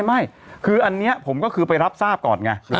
ไม่คืออันนี้ผมก็คือไปรับทราบก่อนไง